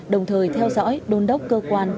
đồng thời theo dõi đôn đốc cơ quan